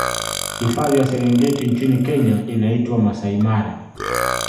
hifadhi ya serengeti nchini kenya inaitwa masai mara